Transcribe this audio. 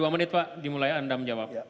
dua menit pak dimulai anda menjawab